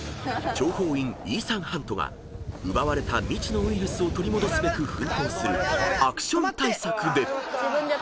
［諜報員イーサン・ハントが奪われた未知のウイルスを取り戻すべく奮闘するアクション大作で］